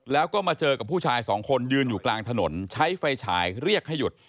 แล้วก็มาเจอกับผู้ชายสองคนยืนอยู่กลางถนนใช้ไฟฉายเรียกให้หยุด